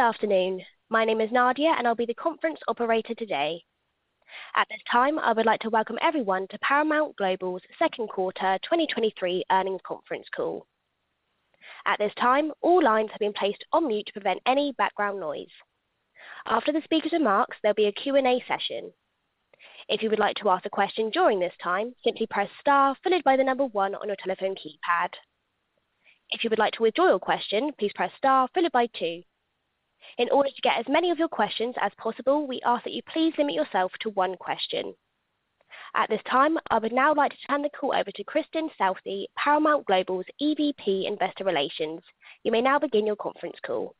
Good afternoon. My name is Nadia, and I'll be the conference operator today. At this time, I would like to welcome everyone to Paramount Global's second quarter 2023 earnings conference call. At this time, all lines have been placed on mute to prevent any background noise. After the speaker's remarks, there'll be a Q&A session. If you would like to ask a question during this time, simply press star followed by the number one on your telephone keypad. If you would like to withdraw your question, please press star followed by two. In order to get as many of your questions as possible, we ask that you please limit yourself to one question. At this time, I would now like to turn the call over to Kristin Southey, Paramount Global's EVP, Investor Relations. You may now begin your conference call.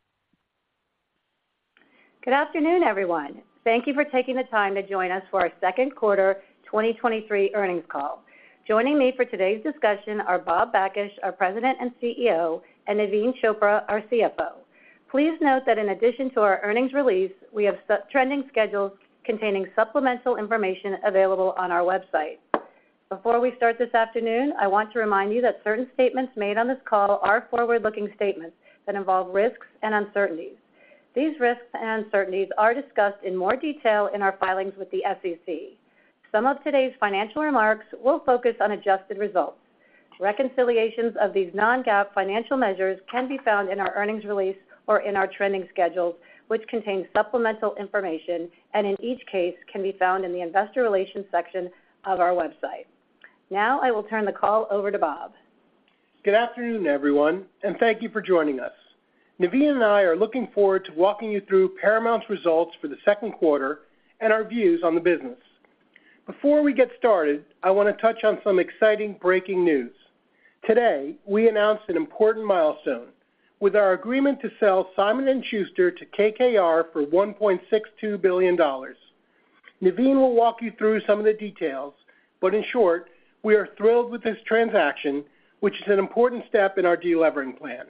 Good afternoon, everyone. Thank you for taking the time to join us for our second quarter 2023 earnings call. Joining me for today's discussion are Bob Bakish, our President and CEO, and Naveen Chopra, our CFO. Please note that in addition to our earnings release, we have some trending schedules containing supplemental information available on our website. Before we start this afternoon, I want to remind you that certain statements made on this call are forward-looking statements that involve risks and uncertainties. These risks and uncertainties are discussed in more detail in our filings with the SEC. Some of today's financial remarks will focus on adjusted results. Reconciliations of these non-GAAP financial measures can be found in our earnings release or in our trending schedules, which contain supplemental information and in each case, can be found in the investor relations section of our website. Now, I will turn the call over to Bob. Good afternoon, everyone, and thank you for joining us. Naveen and I are looking forward to walking you through Paramount's results for the second quarter and our views on the business. Before we get started, I want to touch on some exciting breaking news. Today, we announced an important milestone with our agreement to sell Simon & Schuster to KKR for $1.62 billion. Naveen will walk you through some of the details, in short, we are thrilled with this transaction, which is an important step in our delevering plan.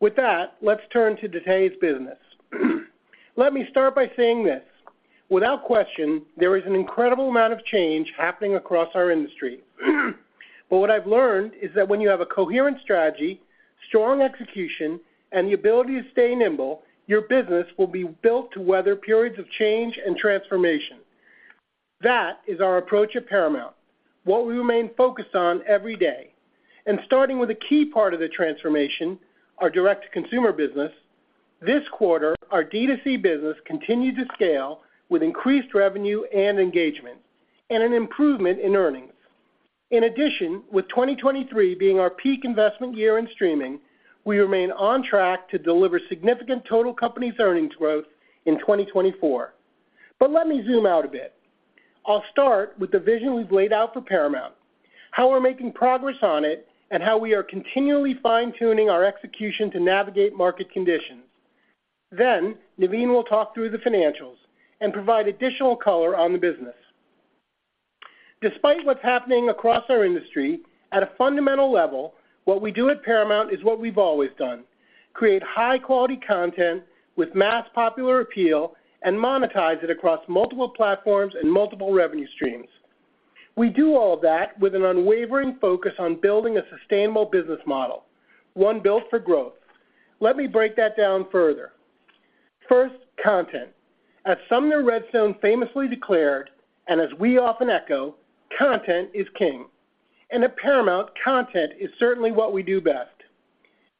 With that, let's turn to today's business. Let me start by saying this, without question, there is an incredible amount of change happening across our industry. What I've learned is that when you have a coherent strategy, strong execution, and the ability to stay nimble, your business will be built to weather periods of change and transformation. That is our approach at Paramount, what we remain focused on every day. Starting with a key part of the transformation, our direct-to-consumer business. This quarter, our D2C business continued to scale with increased revenue and engagement, and an improvement in earnings. In addition, with 2023 being our peak investment year in streaming, we remain on track to deliver significant total company's earnings growth in 2024. Let me zoom out a bit. I'll start with the vision we've laid out for Paramount, how we're making progress on it, and how we are continually fine-tuning our execution to navigate market conditions. Naveen will talk through the financials and provide additional color on the business. Despite what's happening across our industry, at a fundamental level, what we do at Paramount is what we've always done, create high-quality content with mass popular appeal and monetize it across multiple platforms and multiple revenue streams. We do all of that with an unwavering focus on building a sustainable business model, one built for growth. Let me break that down further. First, content. As Sumner Redstone famously declared, as we often echo, "Content is king." At Paramount, content is certainly what we do best.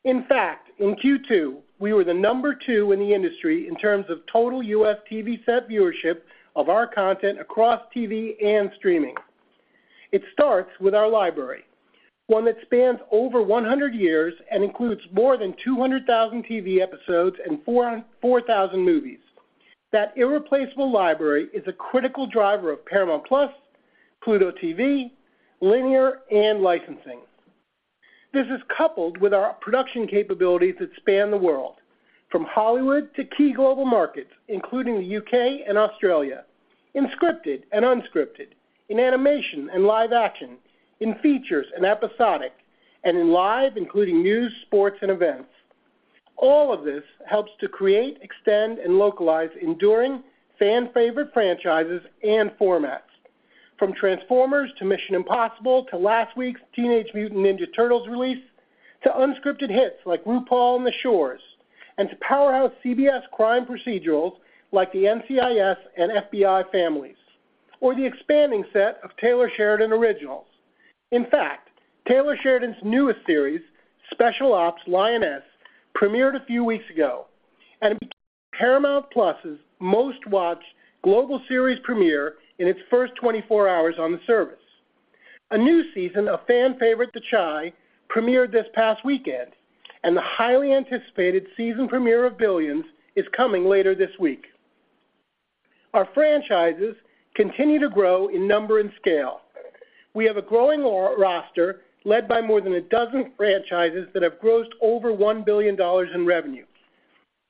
In fact, in Q2, we were the number two in the industry in terms of total U.S. TV set viewership of our content across TV and streaming. It starts with our library, one that spans over 100 years and includes more than 200,000 TV episodes and 4,000 movies. That irreplaceable library is a critical driver of Paramount+, Pluto TV, linear, and licensing. This is coupled with our production capabilities that span the world, from Hollywood to key global markets, including the U.K. and Australia, in scripted and unscripted, in animation and live action, in features and episodic, and in live, including news, sports, and events. All of this helps to create, extend, and localize enduring fan-favorite franchises and formats, from Transformers to Mission Impossible, to last week's Teenage Mutant Ninja Turtles release, to unscripted hits like RuPaul and The Shores, and to powerhouse CBS crime procedurals like the NCIS and FBI families, or the expanding set of Taylor Sheridan originals. In fact, Taylor Sheridan's newest series, Special Ops: Lioness, premiered a few weeks ago and became Paramount+'s most-watched global series premiere in its first 24 hours on the service. A new season of fan favorite, The Chi, premiered this past weekend, and the highly anticipated season premiere of Billions is coming later this week. Our franchises continue to grow in number and scale. We have a growing roster led by more than 12 franchises that have grossed over $1 billion in revenue.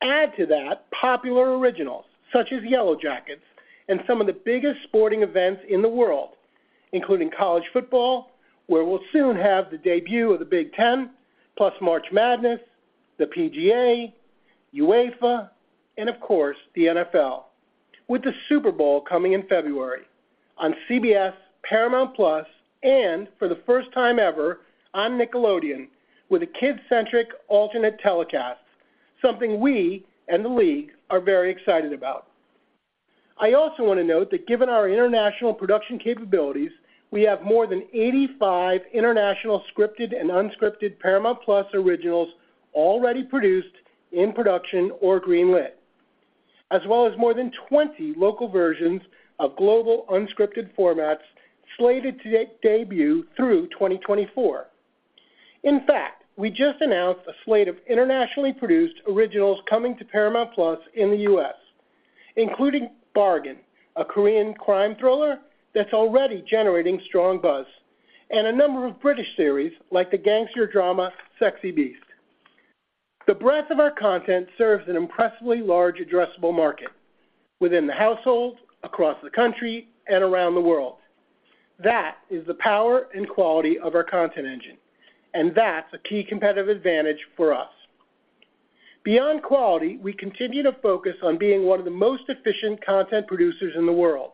Add to that popular originals such as Yellowjackets and some of the biggest sporting events in the world, including college football, where we'll soon have the debut of the Big Ten, plus March Madness, the PGA, UEFA, and of course, the NFL with the Super Bowl coming in February on CBS, Paramount+, and for the first time ever, on Nickelodeon, with a kid-centric alternate telecast, something we and the league are very excited about. I also want to note that given our international production capabilities, we have more than 85 international scripted and unscripted Paramount+ originals already produced, in production, or greenlit, as well as more than 20 local versions of global unscripted formats slated to debut through 2024. In fact, we just announced a slate of internationally produced originals coming to Paramount+ in the U.S., including Bargain, a Korean crime thriller that's already generating strong buzz, and a number of British series like the gangster drama, Sexy Beast. The breadth of our content serves an impressively large addressable market within the household, across the country, and around the world. That is the power and quality of our content engine, and that's a key competitive advantage for us. Beyond quality, we continue to focus on being one of the most efficient content producers in the world.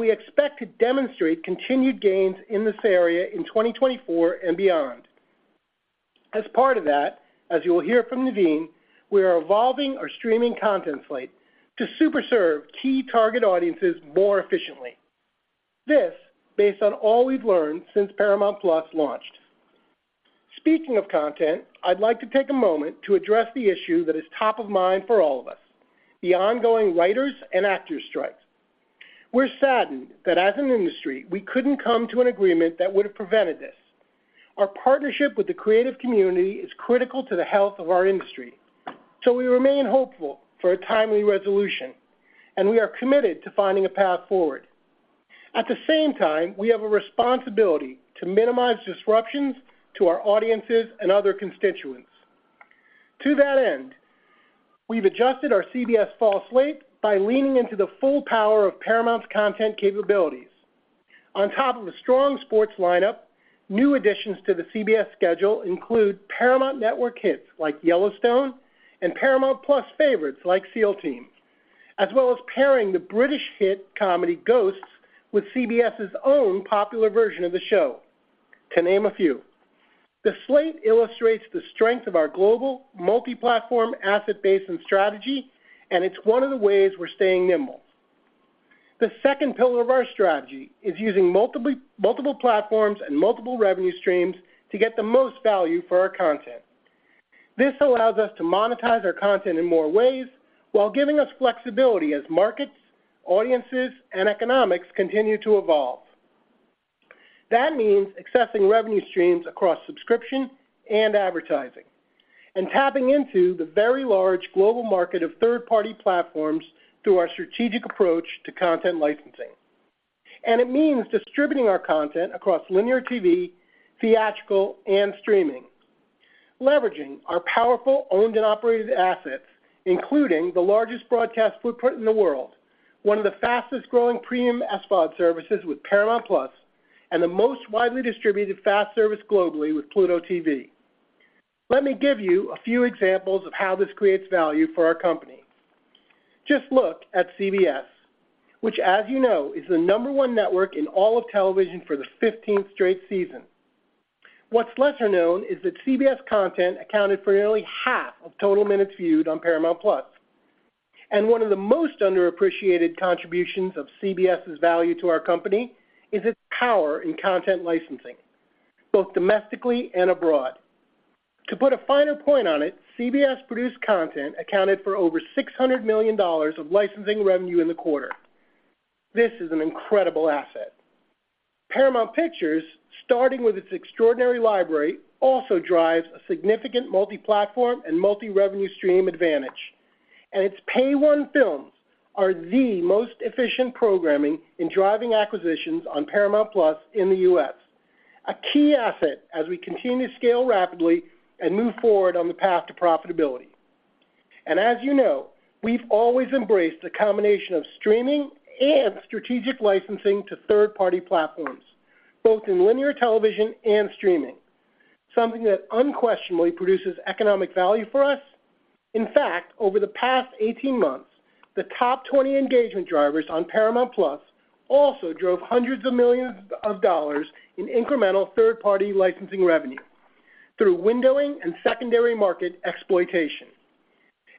We expect to demonstrate continued gains in this area in 2024 and beyond. As part of that, as you will hear from Naveen, we are evolving our streaming content slate to super serve key target audiences more efficiently. This, based on all we've learned since Paramount+ launched. Speaking of content, I'd like to take a moment to address the issue that is top of mind for all of us, the ongoing writers and actors strikes. We're saddened that as an industry, we couldn't come to an agreement that would have prevented this. Our partnership with the creative community is critical to the health of our industry, so we remain hopeful for a timely resolution, and we are committed to finding a path forward. At the same time, we have a responsibility to minimize disruptions to our audiences and other constituents. To that end, we've adjusted our CBS fall slate by leaning into the full power of Paramount's content capabilities. On top of a strong sports lineup, new additions to the CBS schedule include Paramount Network hits like Yellowstone and Paramount+ favorites like SEAL Team, as well as pairing the British hit comedy, Ghosts, with CBS's own popular version of the show, to name a few. The slate illustrates the strength of our global multi-platform asset base and strategy. It's one of the ways we're staying nimble. The second pillar of our strategy is using multiple, multiple platforms and multiple revenue streams to get the most value for our content. This allows us to monetize our content in more ways, while giving us flexibility as markets, audiences, and economics continue to evolve. That means accessing revenue streams across subscription and advertising, and tapping into the very large global market of third-party platforms through our strategic approach to content licensing. It means distributing our content across linear TV, theatrical, and streaming, leveraging our powerful owned and operated assets, including the largest broadcast footprint in the world, one of the fastest-growing premium SVOD services with Paramount+, and the most widely distributed FAST service globally with Pluto TV. Let me give you a few examples of how this creates value for our company. Just look at CBS, which, as you know, is the number one network in all of television for the 15th straight season. What's lesser known is that CBS content accounted for nearly half of total minutes viewed on Paramount+. One of the most underappreciated contributions of CBS's value to our company is its power in content licensing, both domestically and abroad. To put a finer point on it, CBS-produced content accounted for over $600 million of licensing revenue in the quarter. This is an incredible asset. Paramount Pictures, starting with its extraordinary library, also drives a significant multi-platform and multi-revenue stream advantage, and its Pay 1 films are the most efficient programming in driving acquisitions on Paramount+ in the U.S., a key asset as we continue to scale rapidly and move forward on the path to profitability. As you know, we've always embraced a combination of streaming and strategic licensing to third-party platforms, both in linear television and streaming, something that unquestionably produces economic value for us. In fact, over the past 18 months, the top 20 engagement drivers on Paramount+ also drove hundreds of millions of dollars in incremental third-party licensing revenue through windowing and secondary market exploitation.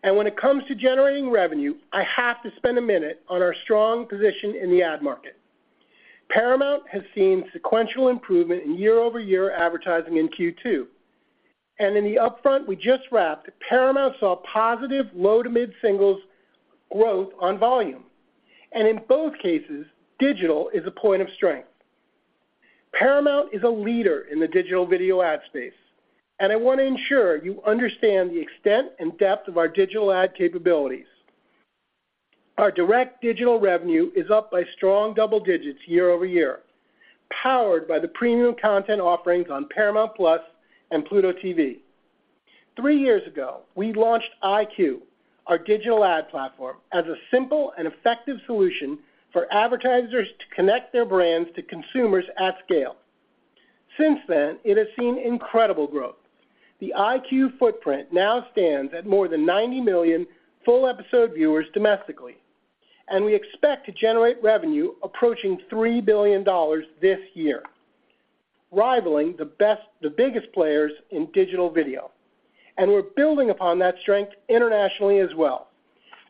When it comes to generating revenue, I have to spend a minute on our strong position in the ad market. Paramount has seen sequential improvement in year-over-year advertising in Q2, and in the upfront, we just wrapped, Paramount saw positive low-to-mid singles growth on volume. In both cases, digital is a point of strength. Paramount is a leader in the digital video ad space, and I want to ensure you understand the extent and depth of our digital ad capabilities. Our direct digital revenue is up by strong double digits year-over-year, powered by the premium content offerings on Paramount+ and Pluto TV. Three years ago, we launched EyeQ, our digital ad platform, as a simple and effective solution for advertisers to connect their brands to consumers at scale. Since then, it has seen incredible growth. The EyeQ footprint now stands at more than 90 million full episode viewers domestically, and we expect to generate revenue approaching $3 billion this year, rivaling the biggest players in digital video. We're building upon that strength internationally as well.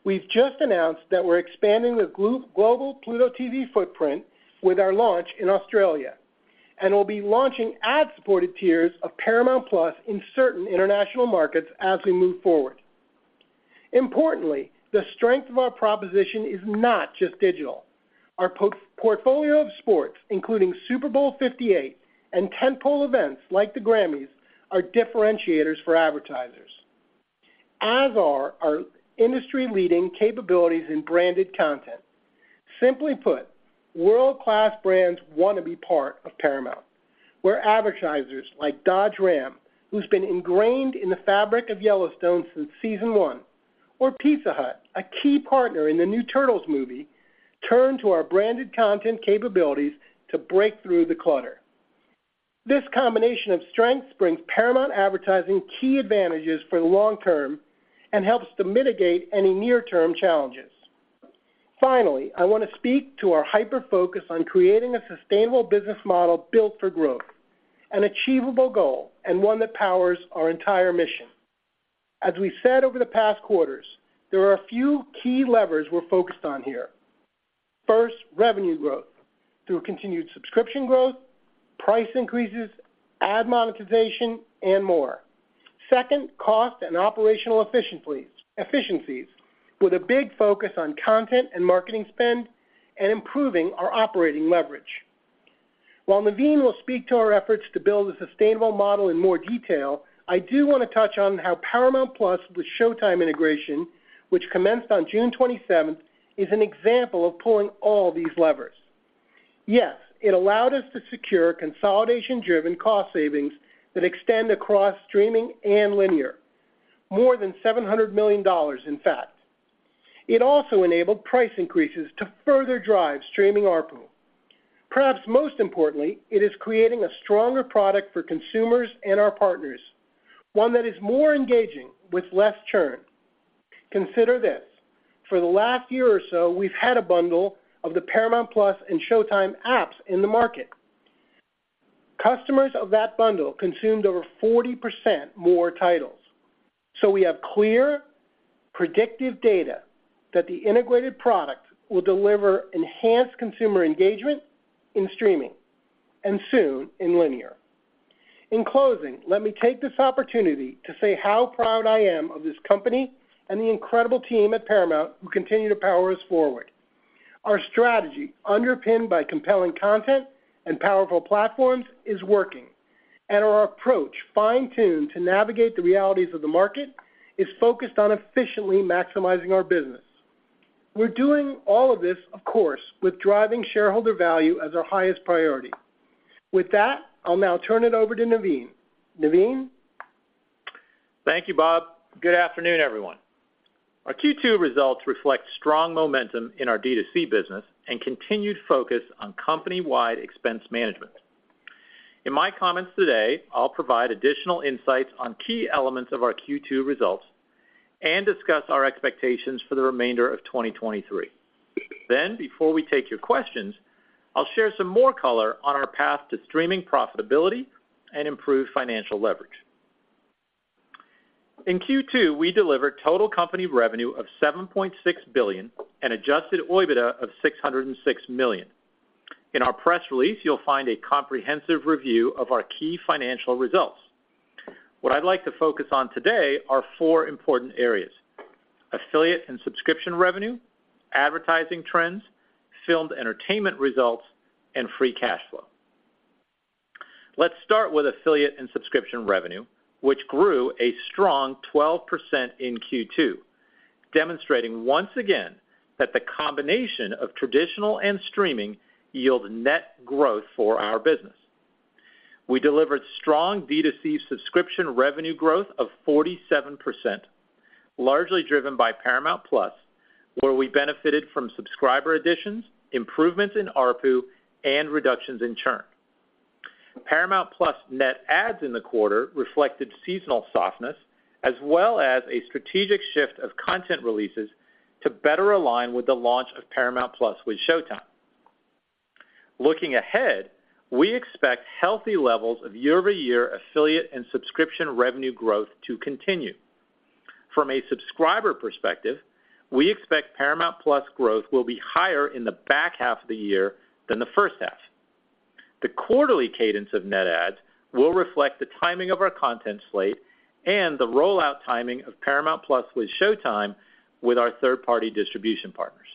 We've just announced that we're expanding the global Pluto TV footprint with our launch in Australia, and we'll be launching ad-supported tiers of Paramount+ in certain international markets as we move forward. Importantly, the strength of our proposition is not just digital. Our portfolio of sports, including Super Bowl LVIII and tentpole events like the GRAMMYs, are differentiators for advertisers, as are our industry-leading capabilities in branded content. Simply put, world-class brands want to be part of Paramount, where advertisers like Dodge Ram, who's been ingrained in the fabric of Yellowstone since season one, or Pizza Hut, a key partner in the new Turtles movie, turn to our branded content capabilities to break through the clutter. This combination of strengths brings Paramount advertising key advantages for the long term and helps to mitigate any near-term challenges. Finally, I want to speak to our hyper-focus on creating a sustainable business model built for growth, an achievable goal and one that powers our entire mission. As we've said over the past quarters, there are a few key levers we're focused on here. First, revenue growth through continued subscription growth, price increases, ad monetization, and more. Second, cost and operational efficiencies, with a big focus on content and marketing spend and improving our operating leverage. While Naveen will speak to our efforts to build a sustainable model in more detail, I do want to touch on how Paramount+ with SHOWTIME integration, which commenced on June 27th, is an example of pulling all these levers. Yes, it allowed us to secure consolidation-driven cost savings that extend across streaming and linear, more than $700 million, in fact. It also enabled price increases to further drive streaming ARPU. Perhaps most importantly, it is creating a stronger product for consumers and our partners, one that is more engaging with less churn. Consider this: for the last year or so, we've had a bundle of the Paramount+ and SHOWTIME apps in the market. Customers of that bundle consumed over 40% more titles. We have clear, predictive data that the integrated product will deliver enhanced consumer engagement in streaming, and soon in linear. In closing, let me take this opportunity to say how proud I am of this company and the incredible team at Paramount who continue to power us forward. Our strategy, underpinned by compelling content and powerful platforms, is working, and our approach, fine-tuned to navigate the realities of the market, is focused on efficiently maximizing our business. We're doing all of this, of course, with driving shareholder value as our highest priority. With that, I'll now turn it over to Naveen. Naveen? Thank you, Bob. Good afternoon, everyone. Our Q2 results reflect strong momentum in our D2C business and continued focus on company-wide expense management. In my comments today, I'll provide additional insights on key elements of our Q2 results and discuss our expectations for the remainder of 2023. Before we take your questions, I'll share some more color on our path to streaming profitability and improved financial leverage. In Q2, we delivered total company revenue of $7.6 billion and adjusted OIBDA of $606 million. In our press release, you'll find a comprehensive review of our key financial results. What I'd like to focus on today are four important areas: affiliate and subscription revenue, advertising trends, filmed entertainment results, and free cash flow. Let's start with affiliate and subscription revenue, which grew a strong 12% in Q2, demonstrating once again that the combination of traditional and streaming yield net growth for our business. We delivered strong D2C subscription revenue growth of 47%, largely driven by Paramount+, where we benefited from subscriber additions, improvements in ARPU, and reductions in churn. Paramount+ net adds in the quarter reflected seasonal softness, as well as a strategic shift of content releases to better align with the launch of Paramount+ with SHOWTIME. Looking ahead, we expect healthy levels of year-over-year affiliate and subscription revenue growth to continue. From a subscriber perspective, we expect Paramount+ growth will be higher in the back half of the year than the first half. The quarterly cadence of net adds will reflect the timing of our content slate and the rollout timing of Paramount+ with SHOWTIME with our third-party distribution partners.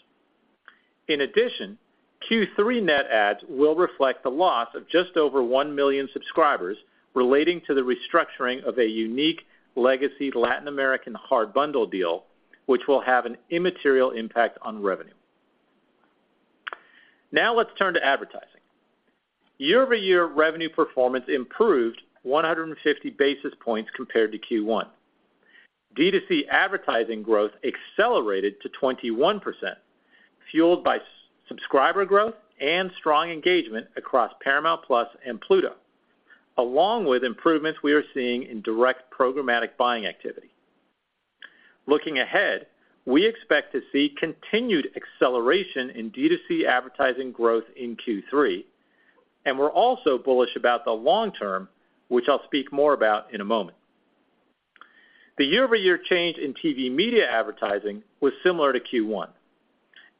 Q3 net adds will reflect the loss of just over 1 million subscribers relating to the restructuring of a unique legacy Latin American hard bundle deal, which will have an immaterial impact on revenue. Let's turn to advertising. Year-over-year revenue performance improved 150 basis points compared to Q1. D2C advertising growth accelerated to 21%, fueled by subscriber growth and strong engagement across Paramount+ and Pluto, along with improvements we are seeing in direct programmatic buying activity. Looking ahead, we expect to see continued acceleration in D2C advertising growth in Q3. We're also bullish about the long term, which I'll speak more about in a moment. The year-over-year change in TV media advertising was similar to Q1.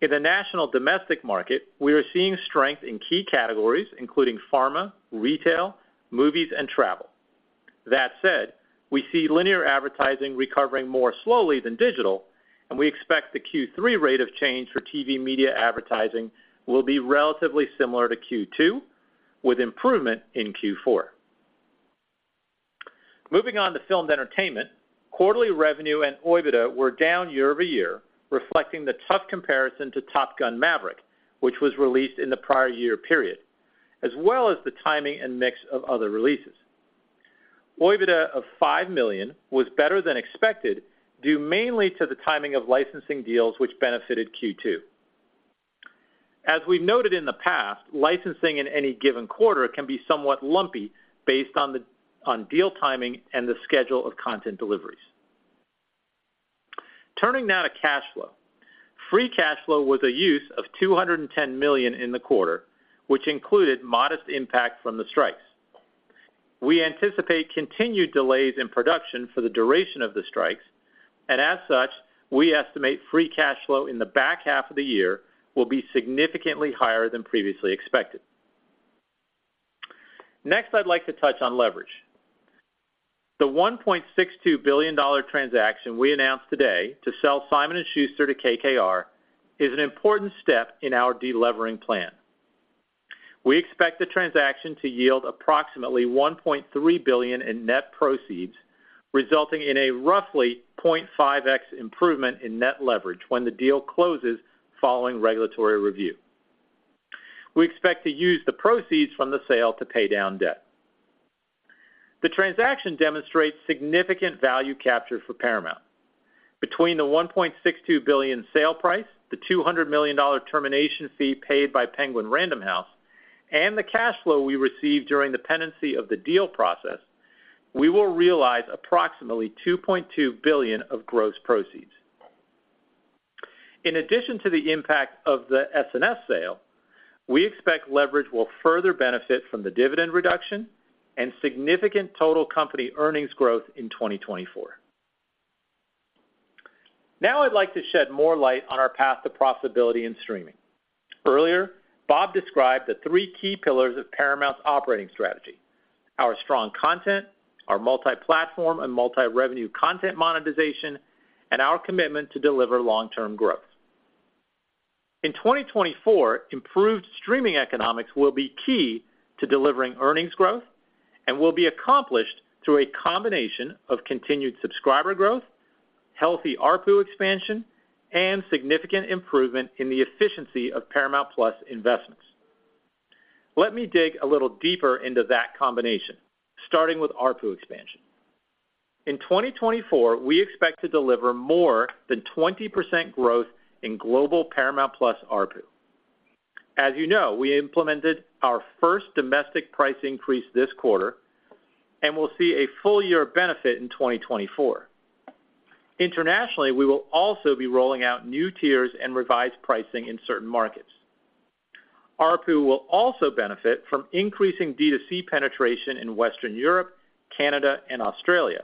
In the national domestic market, we are seeing strength in key categories, including pharma, retail, movies, and travel. That said, we see linear advertising recovering more slowly than digital, and we expect the Q3 rate of change for TV media advertising will be relatively similar to Q2, with improvement in Q4. Moving on to filmed entertainment, quarterly revenue and OIBDA were down year-over-year, reflecting the tough comparison to Top Gun: Maverick, which was released in the prior year period, as well as the timing and mix of other releases. OIBDA of $5 million was better than expected, due mainly to the timing of licensing deals, which benefited Q2. As we've noted in the past, licensing in any given quarter can be somewhat lumpy based on deal timing and the schedule of content deliveries. Turning now to cash flow. Free cash flow was a use of $210 million in the quarter, which included modest impact from the strikes. We anticipate continued delays in production for the duration of the strikes. As such, we estimate free cash flow in the back half of the year will be significantly higher than previously expected. Next, I'd like to touch on leverage. The $1.62 billion transaction we announced today to sell Simon & Schuster to KKR is an important step in our delevering plan. We expect the transaction to yield approximately $1.3 billion in net proceeds, resulting in a roughly 0.5x improvement in net leverage when the deal closes following regulatory review. We expect to use the proceeds from the sale to pay down debt. The transaction demonstrates significant value captured for Paramount. Between the $1.62 billion sale price, the $200 million termination fee paid by Penguin Random House, and the cash flow we received during the pendency of the deal process, we will realize approximately $2.2 billion of gross proceeds. In addition to the impact of the S&S sale, we expect leverage will further benefit from the dividend reduction and significant total company earnings growth in 2024. Now, I'd like to shed more light on our path to profitability in streaming. Earlier, Bob described the three key pillars of Paramount's operating strategy: our strong content, our multi-platform and multi-revenue content monetization, and our commitment to deliver long-term growth. In 2024, improved streaming economics will be key to delivering earnings growth and will be accomplished through a combination of continued subscriber growth, healthy ARPU expansion, and significant improvement in the efficiency of Paramount+ investments. Let me dig a little deeper into that combination, starting with ARPU expansion. In 2024, we expect to deliver more than 20% growth in global Paramount+ ARPU. As you know, we implemented our first domestic price increase this quarter, and we'll see a full year of benefit in 2024. Internationally, we will also be rolling out new tiers and revised pricing in certain markets. ARPU will also benefit from increasing D2C penetration in Western Europe, Canada, and Australia,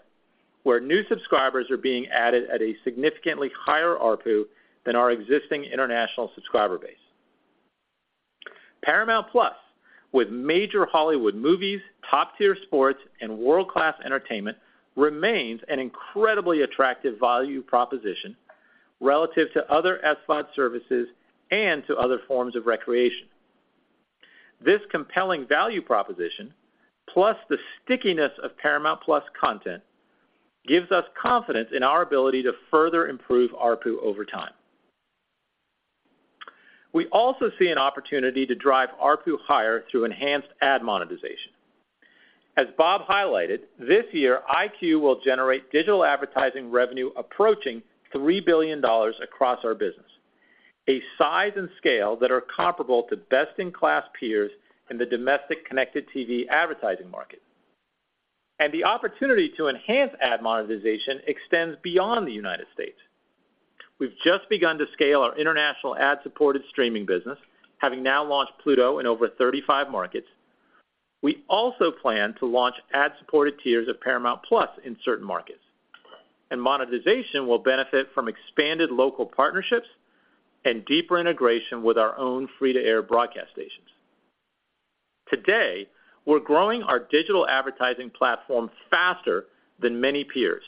where new subscribers are being added at a significantly higher ARPU than our existing international subscriber base. Paramount+, with major Hollywood movies, top-tier sports, and world-class entertainment, remains an incredibly attractive value proposition relative to other SVOD services and to other forms of recreation. This compelling value proposition, plus the stickiness of Paramount+ content, gives us confidence in our ability to further improve ARPU over time. We also see an opportunity to drive ARPU higher through enhanced ad monetization. As Bob highlighted, this year, EyeQ will generate digital advertising revenue approaching $3 billion across our business, a size and scale that are comparable to best-in-class peers in the domestic connected TV advertising market. The opportunity to enhance ad monetization extends beyond the United States. We've just begun to scale our international ad-supported streaming business, having now launched Pluto TV in over 35 markets. We also plan to launch ad-supported tiers of Paramount+ in certain markets. Monetization will benefit from expanded local partnerships and deeper integration with our own free-to-air broadcast stations. Today, we're growing our digital advertising platform faster than many peers,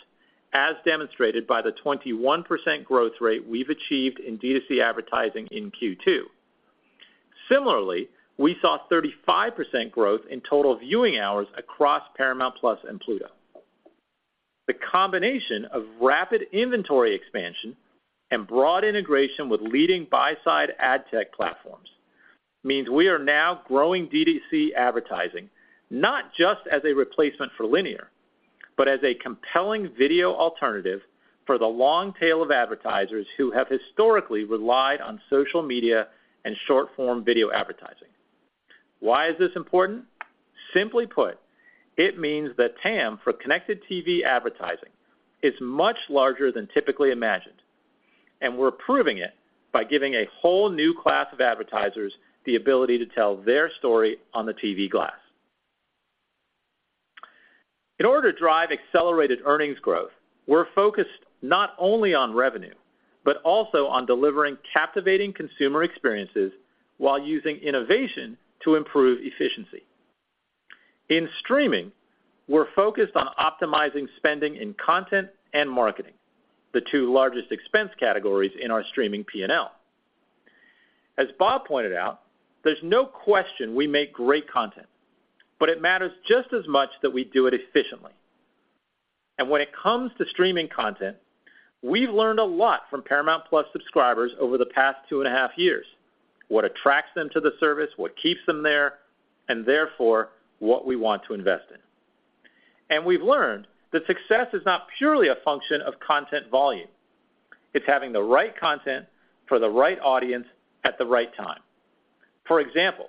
as demonstrated by the 21% growth rate we've achieved in D2C advertising in Q2. Similarly, we saw 35% growth in total viewing hours across Paramount+ and Pluto. The combination of rapid inventory expansion and broad integration with leading buy-side ad tech platforms, means we are now growing D2C advertising, not just as a replacement for linear, but as a compelling video alternative for the long tail of advertisers who have historically relied on social media and short-form video advertising. Why is this important? Simply put, it means that TAM, for connected TV advertising, is much larger than typically imagined, and we're proving it by giving a whole new class of advertisers the ability to tell their story on the TV glass. In order to drive accelerated earnings growth, we're focused not only on revenue, but also on delivering captivating consumer experiences while using innovation to improve efficiency. In streaming, we're focused on optimizing spending in content and marketing, the two largest expense categories in our streaming P&L. As Bob pointed out, there's no question we make great content, but it matters just as much that we do it efficiently. And when it comes to streaming content, we've learned a lot from Paramount+ subscribers over the past two and a half years. What attracts them to the service, what keeps them there, and therefore, what we want to invest in. We've learned that success is not purely a function of content volume. It's having the right content for the right audience at the right time. For example,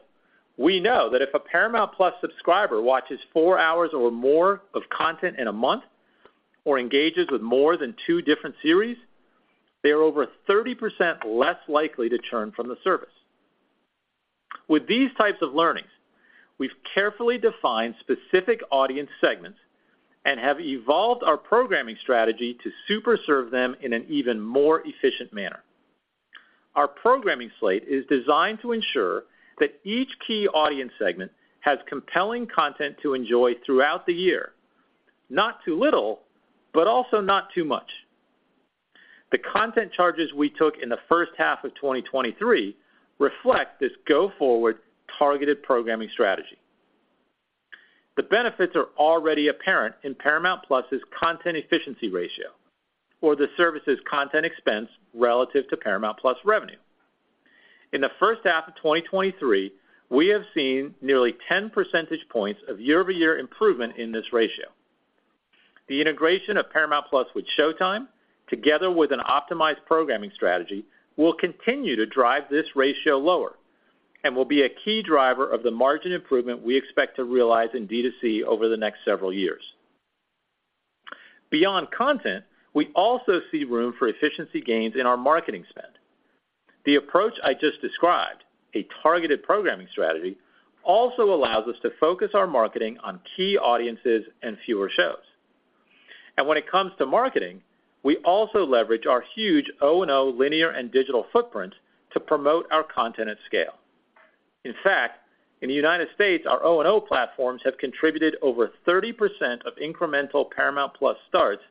we know that if a Paramount+ subscriber watches four hours or more of content in a month, or engages with more than two different series, they are over 30% less likely to churn from the service. With these types of learnings, we've carefully defined specific audience segments and have evolved our programming strategy to super serve them in an even more efficient manner. Our programming slate is designed to ensure that each key audience segment has compelling content to enjoy throughout the year. Not too little, but also not too much. The content charges we took in the first half of 2023 reflect this go-forward targeted programming strategy. The benefits are already apparent in Paramount+'s content efficiency ratio, or the service's content expense relative to Paramount+ revenue. In the first half of 2023, we have seen nearly 10 percentage points of year-over-year improvement in this ratio. The integration of Paramount+ with SHOWTIME, together with an optimized programming strategy, will continue to drive this ratio lower and will be a key driver of the margin improvement we expect to realize in D2C over the next several years. Beyond content, we also see room for efficiency gains in our marketing spend. The approach I just described, a targeted programming strategy, also allows us to focus our marketing on key audiences and fewer shows. When it comes to marketing, we also leverage our huge O&O, linear and digital footprint to promote our content at scale. In fact, in the United States, our O&O platforms have contributed over 30% of incremental Paramount+ starts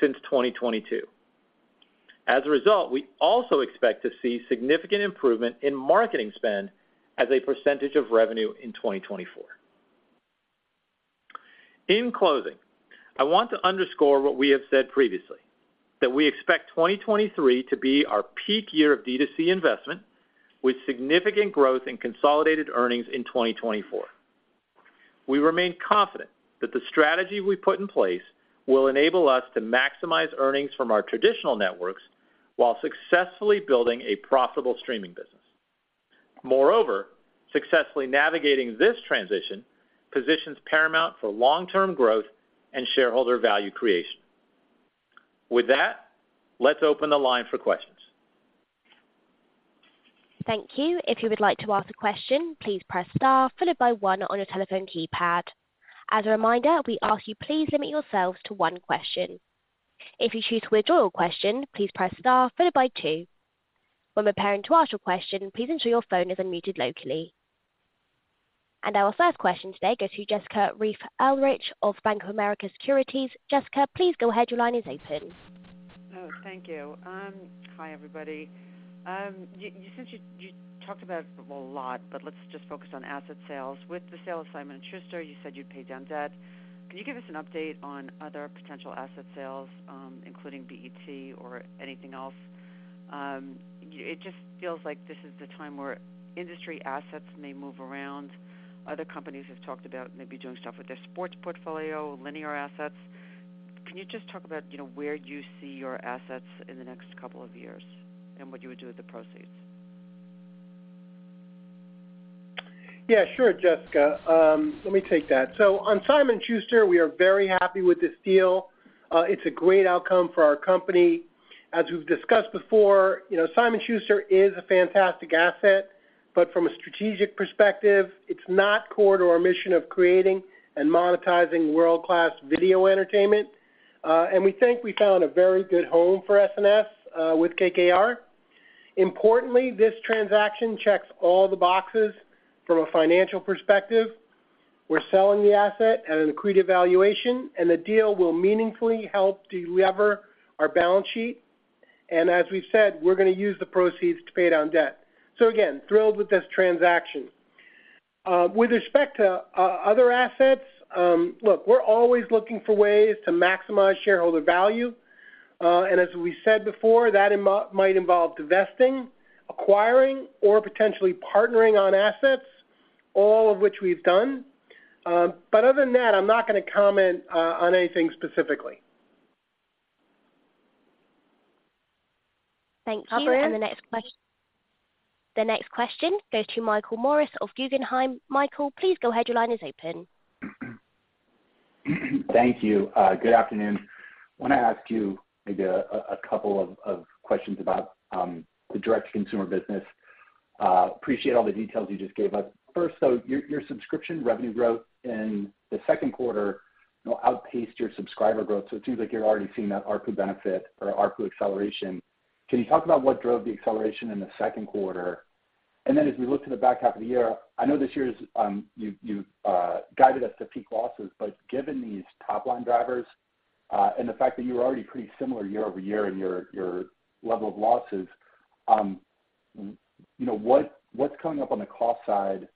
since 2022. As a result, we also expect to see significant improvement in marketing spend as a percentage of revenue in 2024. In closing, I want to underscore what we have said previously, that we expect 2023 to be our peak year of D2C investment, with significant growth in consolidated earnings in 2024. We remain confident that the strategy we put in place will enable us to maximize earnings from our traditional networks while successfully building a profitable streaming business. Moreover, successfully navigating this transition positions Paramount for long-term growth and shareholder value creation. With that, let's open the line for questions. Thank you. If you would like to ask a question, please press star followed by one on your telephone keypad. As a reminder, we ask you, please limit yourselves to one question. If you choose to withdraw your question, please press star followed by two. When preparing to ask your question, please ensure your phone is unmuted locally. Our first question today goes to Jessica Reif Ehrlich, of Bank of America Securities. Jessica, please go ahead. Your line is open. Oh, thank you. Hi, everybody. Since you, you talked about a lot, but let's just focus on asset sales. With the sale of Simon & Schuster, you said you'd pay down debt. Can you give us an update on other potential asset sales, including BET or anything else? It just feels like this is the time where industry assets may move around. Other companies have talked about maybe doing stuff with their sports portfolio, linear assets. Can you just talk about, you know, where you see your assets in the next couple of years and what you would do with the proceeds? Yeah, sure, Jessica. Let me take that. On Simon & Schuster, we are very happy with this deal. It's a great outcome for our company. As we've discussed before, you know, Simon & Schuster is a fantastic asset, but from a strategic perspective, it's not core to our mission of creating and monetizing world-class video entertainment. And we think we found a very good home for S&S with KKR. Importantly, this transaction checks all the boxes from a financial perspective. We're selling the asset at an accretive valuation, and the deal will meaningfully help delever our balance sheet. As we've said, we're gonna use the proceeds to pay down debt. Again, thrilled with this transaction. With respect to other assets, look, we're always looking for ways to maximize shareholder value. As we said before, that might involve divesting, acquiring, or potentially partnering on assets, all of which we've done. Other than that, I'm not gonna comment on anything specifically. Thank you. Operator? The next question. The next question goes to Michael Morris of Guggenheim. Michael, please go ahead. Your line is open. Thank you. Good afternoon. Wanna ask you maybe a couple of questions about the direct-to-consumer business. Appreciate all the details you just gave us. First, though, your subscription revenue growth in the second quarter, you know, outpaced your subscriber growth, so it seems like you're already seeing that ARPU benefit or ARPU acceleration. Can you talk about what drove the acceleration in the second quarter? Then as we look to the back half of the year, I know this year's, you've, you've, guided us to peak losses, but given these top-line drivers, and the fact that you were already pretty similar year-over-year in your, your level of losses, you know, what, what's coming up on the cost side,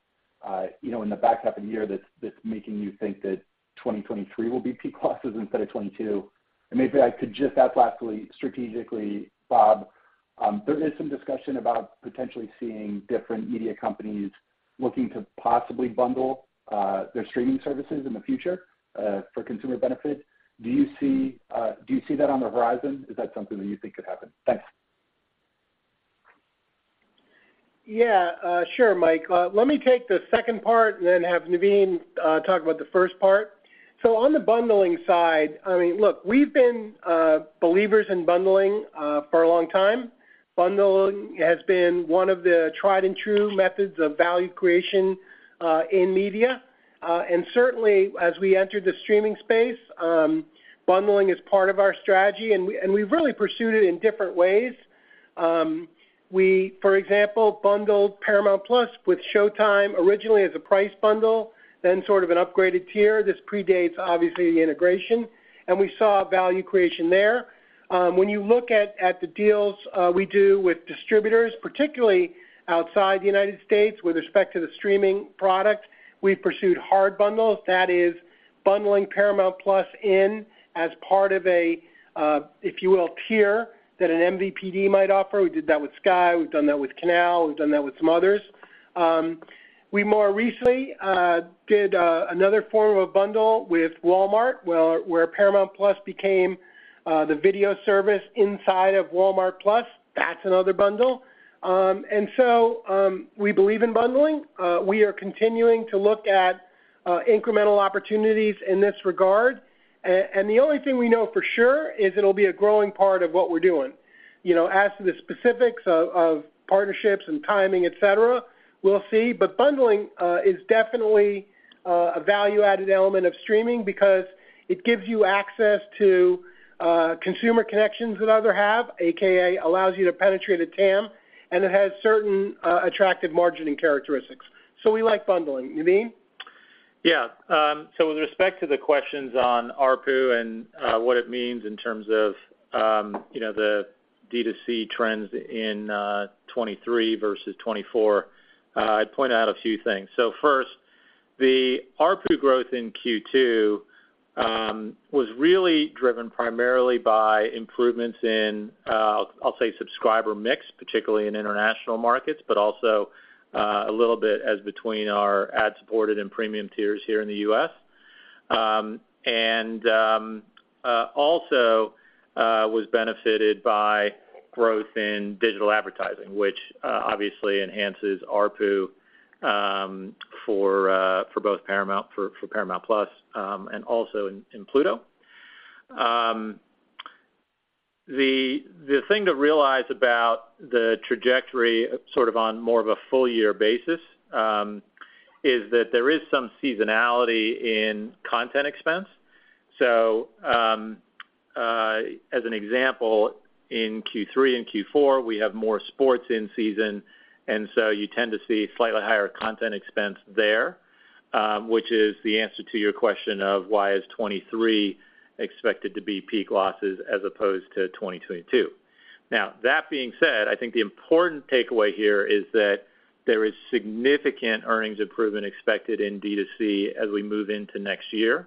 you know, in the back half of the year that's, that's making you think that 2023 will be peak losses instead of 2022? Maybe I could just ask lastly, strategically, Bob, there is some discussion about potentially seeing different media companies looking to possibly bundle their streaming services in the future, for consumer benefit. Do you see, do you see that on the horizon? Is that something that you think could happen? Thanks. Yeah, sure, Mike. Let me take the second part and then have Naveen talk about the first part. On the bundling side, I mean, look, we've been believers in bundling for a long time. Bundling has been one of the tried and true methods of value creation in media. Certainly, as we enter the streaming space, bundling is part of our strategy, and we, and we've really pursued it in different ways. We, for example, bundled Paramount+ with SHOWTIME originally as a price bundle, then sort of an upgraded tier. This predates, obviously, the integration, and we saw value creation there. When you look at, at the deals we do with distributors, particularly outside the United States, with respect to the streaming product, we've pursued hard bundles. That is, bundling Paramount+ in as part of a, if you will, tier that an MVPD might offer. We did that with Sky, we've done that with Canal+, we've done that with some others. We more recently did another form of a bundle with Walmart, where Paramount+ became the video service inside of Walmart+. That's another bundle. So, we believe in bundling. We are continuing to look at incremental opportunities in this regard. The only thing we know for sure is it'll be a growing part of what we're doing. You know, as to the specifics of partnerships and timing, et cetera, we'll see. Bundling is definitely a value-added element of streaming because it gives you access to consumer connections that others have, AKA allows you to penetrate a TAM, and it has certain attractive margining characteristics. We like bundling. Naveen? Yeah. With respect to the questions on ARPU and what it means in terms of, you know, the D2C trends in 2023 versus 2024, I'd point out a few things. First, the ARPU growth in Q2 was really driven primarily by improvements in, I'll say, subscriber mix, particularly in international markets, but also a little bit as between our ad-supported and premium tiers here in the U.S. Also was benefited by growth in digital advertising, which obviously enhances ARPU for for both Paramount, for for Paramount Plus, and also in Pluto. The, the thing to realize about the trajectory, sort of on more of a full year basis, is that there is some seasonality in content expense. As an example, in Q3 and Q4, we have more sports in season, and so you tend to see slightly higher content expense there, which is the answer to your question of: Why is 2023 expected to be peak losses as opposed to 2022? That being said, I think the important takeaway here is that there is significant earnings improvement expected in D2C as we move into next year.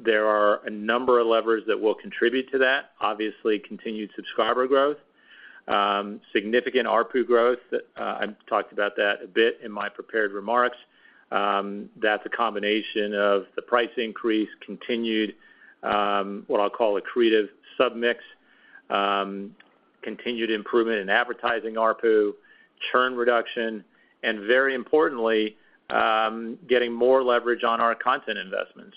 There are a number of levers that will contribute to that. Obviously, continued subscriber growth, significant ARPU growth. I talked about that a bit in my prepared remarks. That's a combination of the price increase, continued, what I'll call accretive sub-mix, continued improvement in advertising ARPU, churn reduction, and very importantly, getting more leverage on our content investments.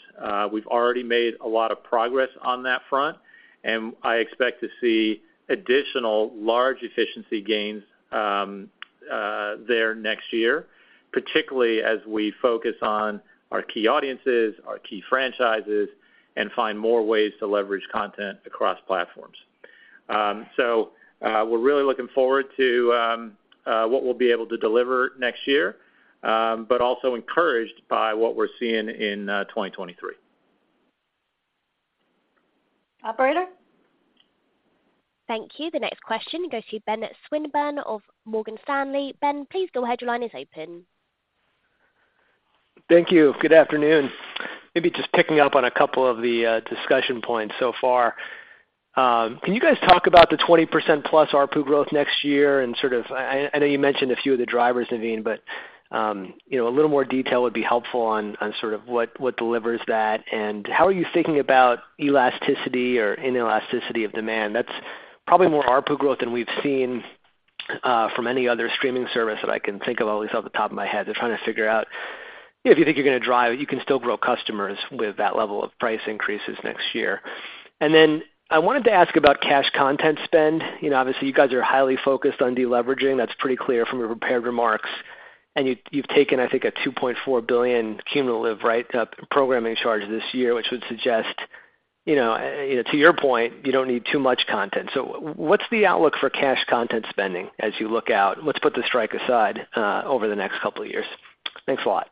We've already made a lot of progress on that front, and I expect to see additional large efficiency gains there next year, particularly as we focus on our key audiences, our key franchises, and find more ways to leverage content across platforms. We're really looking forward to what we'll be able to deliver next year, but also encouraged by what we're seeing in 2023. Operator? Thank you. The next question goes to Benjamin Swinburne of Morgan Stanley. Ben, please go ahead. Your line is open. Thank you. Good afternoon. Maybe just picking up on a couple of the discussion points so far. Can you guys talk about the 20%+ ARPU growth next year? Sort of, I know you mentioned a few of the drivers, Naveen, but, you know, a little more detail would be helpful on sort of what delivers that, and how are you thinking about elasticity or inelasticity of demand? That's probably more ARPU growth than we've seen from any other streaming service that I can think of, at least off the top of my head. Just trying to figure out if you think you're gonna drive, you can still grow customers with that level of price increases next year. Then I wanted to ask about cash content spend. You know, obviously, you guys are highly focused on deleveraging. That's pretty clear from your prepared remarks. You've taken, I think, a $2.4 billion cumulative, right, programming charge this year, which would suggest, you know, you know, to your point, you don't need too much content. What's the outlook for cash content spending as you look out, let's put the strike aside, over the next couple of years? Thanks a lot.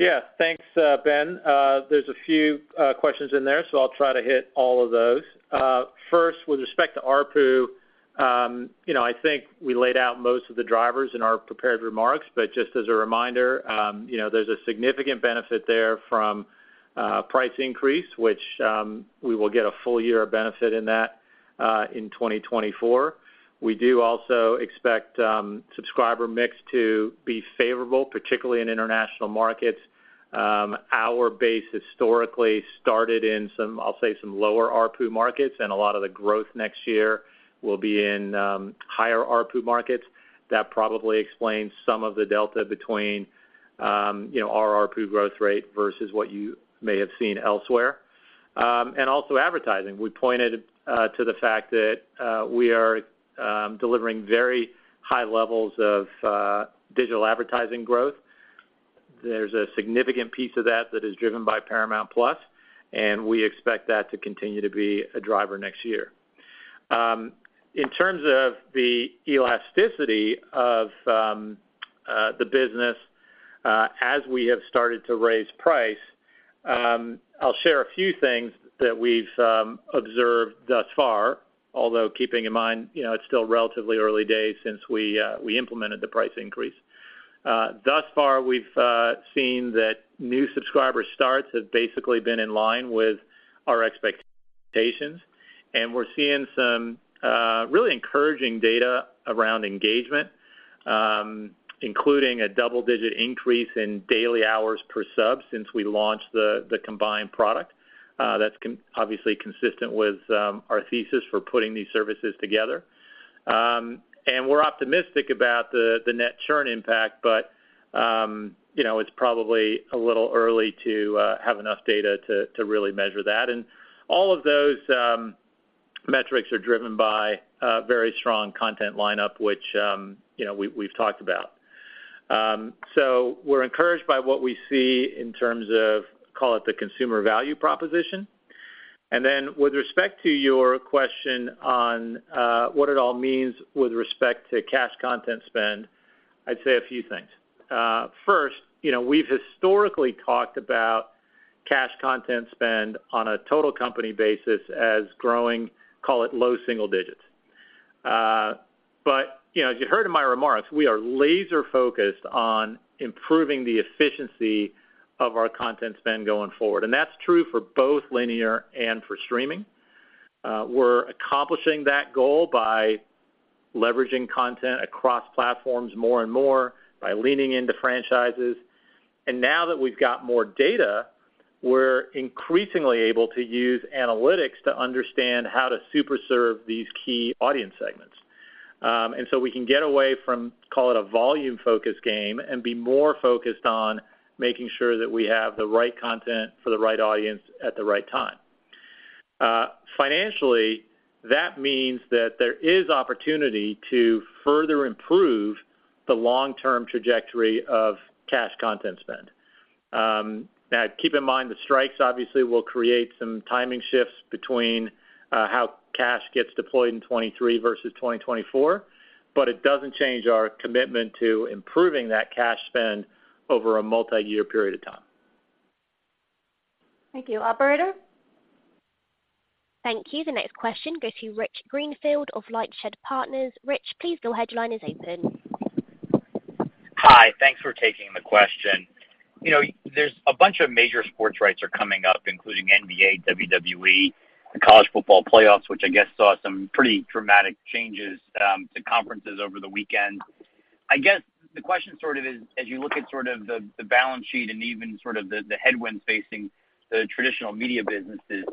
Yeah, thanks, Ben. There's a few questions in there, so I'll try to hit all of those. First, with respect to ARPU, you know, I think we laid out most of the drivers in our prepared remarks, but just as a reminder, you know, there's a significant benefit there from price increase, which we will get a full year of benefit in that in 2024. We do also expect subscriber mix to be favorable, particularly in international markets. Our base historically started in some, I'll say, some lower ARPU markets, and a lot of the growth next year will be in higher ARPU markets. That probably explains some of the delta between, you know, our ARPU growth rate versus what you may have seen elsewhere. Also advertising. We pointed to the fact that we are delivering very high levels of digital advertising growth. There's a significant piece of that that is driven by Paramount+, and we expect that to continue to be a driver next year. In terms of the elasticity of the business, as we have started to raise price, I'll share a few things that we've observed thus far, although keeping in mind, you know, it's still relatively early days since we implemented the price increase. Thus far, we've seen that new subscriber starts have basically been in line with our expectations, and we're seeing some really encouraging data around engagement, including a double-digit increase in daily hours per sub since we launched the combined product. That's obviously consistent with our thesis for putting these services together. We're optimistic about the net churn impact, but, you know, it's probably a little early to have enough data to really measure that. All of those metrics are driven by a very strong content lineup, which, you know, we, we've talked about. We're encouraged by what we see in terms of, call it, the consumer value proposition. With respect to your question on what it all means with respect to cash content spend, I'd say a few things. First, you know, we've historically talked about cash content spend on a total company basis as growing, call it, low single digits. You know, as you heard in my remarks, we are laser focused on improving the efficiency of our content spend going forward, and that's true for both linear and for streaming. We're accomplishing that goal by leveraging content across platforms more and more, by leaning into franchises. Now that we've got more data, we're increasingly able to use analytics to understand how to super serve these key audience segments. We can get away from, call it, a volume-focused game and be more focused on making sure that we have the right content for the right audience at the right time. Financially, that means that there is opportunity to further improve the long-term trajectory of cash content spend. Now, keep in mind, the strikes obviously will create some timing shifts between, how cash gets deployed in 2023 versus 2024, but it doesn't change our commitment to improving that cash spend over a multiyear period of time. Thank you. Operator? Thank you. The next question goes to Rich Greenfield of LightShed Partners. Rich, please your line is open. Hi. Thanks for taking the question. You know, there's a bunch of major sports rights are coming up, including NBA, WWE, the College Football Playoff, which I guess saw some pretty dramatic changes to conferences over the weekend. I guess the question sort of is, as you look at sort of the, the balance sheet and even sort of the, the headwinds facing the traditional media businesses,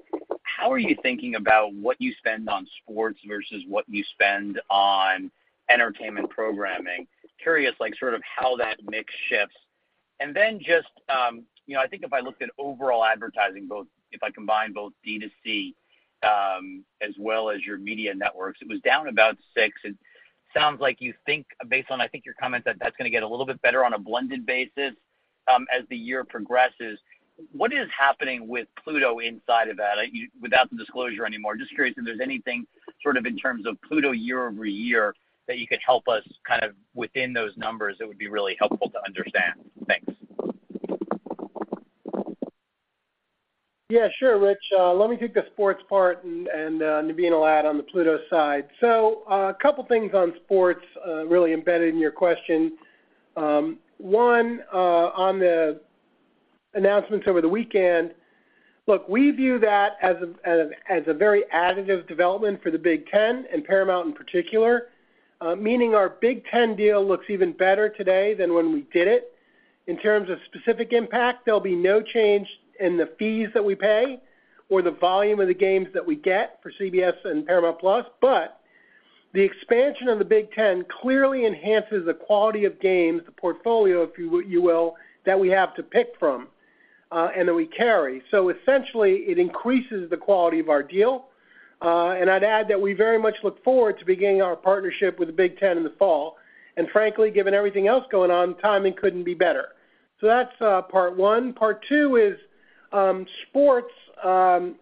how are you thinking about what you spend on sports versus what you spend on entertainment programming? Curious, like, sort of how that mix shifts. Then just, you know, I think if I looked at overall advertising, if I combine both D2C, as well as your media networks, it was down about 6%. It sounds like you think, based on, I think, your comments, that that's gonna get a little bit better on a blended basis, as the year progresses. What is happening with Pluto inside of that? Without the disclosure anymore, just curious if there's anything sort of in terms of Pluto year-over-year, that you could help us kind of within those numbers that would be really helpful to understand. Thanks. Yeah, sure, Rich. Let me take the sports part and Naveen will add on the Pluto side. A couple things on sports, really embedded in your question. One, on the announcements over the weekend, look, we view that as a very additive development for the Big Ten and Paramount in particular, meaning our Big Ten deal looks even better today than when we did it. In terms of specific impact, there'll be no change in the fees that we pay or the volume of the games that we get for CBS and Paramount+. The expansion of the Big Ten clearly enhances the quality of games, the portfolio, if you will, that we have to pick from and that we carry. Essentially, it increases the quality of our deal. I'd add that we very much look forward to beginning our partnership with the Big Ten in the fall. Frankly, given everything else going on, timing couldn't be better. That's part one. Part two is, sports